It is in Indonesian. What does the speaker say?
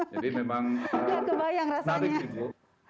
jadi memang menarik bu